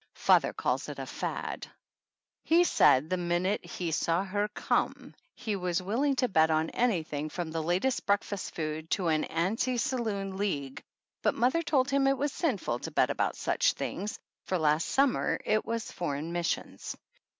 Father calls it a "fad." He said the minute he saw her come he was willing to bet on anything, from the latest breakfast food to an Aunty Saloon League, but mother told him it was sin ful to bet about such things, for last summer it was foreign missions.